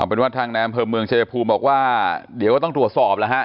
เอาเป็นว่าทางน้ำเผิมเมืองเจภูมิบอกว่าเดี๋ยวก็ต้องตรวจสอบแล้วฮะ